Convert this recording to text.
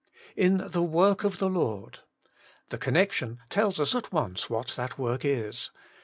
' 'In the zvork of the Lord/ The con nection tells us at once w^iat that work is.